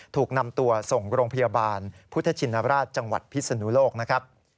ถูกนำตัวส่งโรงพยาบาลพุทธชินราชจังหวัดพิศนุโลกนะครับ